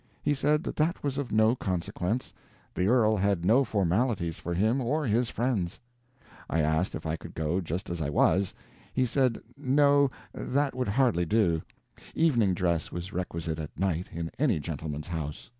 He said that that was of no consequence, the Earl had no formalities for him or his friends. I asked if I could go just as I was. He said no, that would hardly do; evening dress was requisite at night in any gentleman's house.